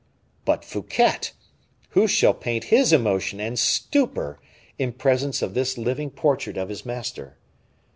But Fouquet! who shall paint his emotion and stupor in presence of this living portrait of his master!